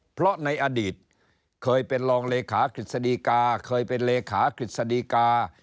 เพราะในอดีตเคยเป็นรองเลขากฤษฎีกาเคยเป็นเลขากฤษฎีกา